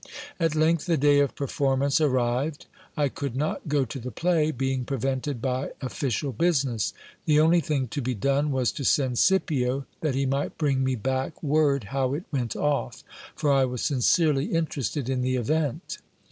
At length, the day of performance arrived. I could not go to the play, being prevented by official business. The only thing to be done was to send Scipio, that he might bring me back word how it went off; for I was sincerely in terested in the event.